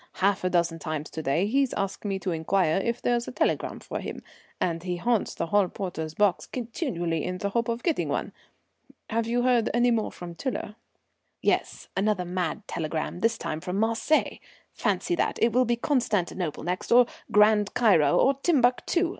Half a dozen times to day he's asked me to inquire if there's a telegram for him, and he haunts the hall porter's box continually in the hope of getting one. Have you heard any more from Tiler?" "Yes, another mad telegram, this time from Marseilles. Fancy that! It will be Constantinople next or Grand Cairo or Timbuctoo.